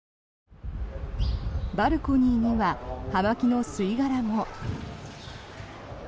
バルコニーには葉巻の吸い殻も。